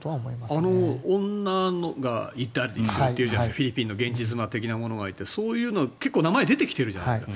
あの女がいたっていうじゃないですかフィリピンの現地妻的なものがいてそういうの結構、名前が出てきてるじゃないですか。